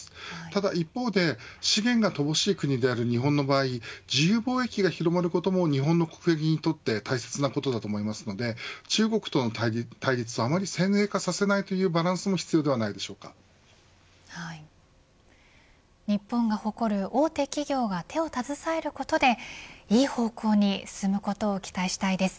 ただ一方で資源が乏しい国である日本の場合自由貿易が広まることも日本の国益にとって大切なことだと思いますので中国との対立はあまり先鋭化させないというバランスも日本が誇る大手企業が手を携えることでいい方向に進むことを期待したいです。